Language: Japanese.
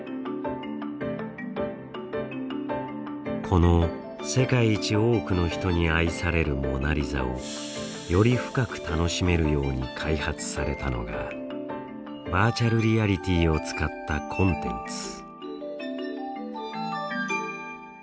この世界一多くの人に愛される「モナリザ」をより深く楽しめるように開発されたのがバーチャルリアリティーを使ったコンテンツ。